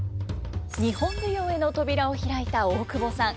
日本舞踊への扉を開いた大久保さん。